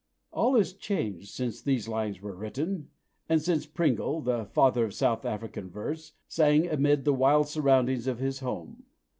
All is changed since these lines were written, and since Pringle (the "father" of South African verse) "sang" amid the wild surroundings of his home.